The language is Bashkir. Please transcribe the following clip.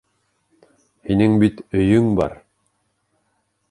Һинең бит өйөң бар.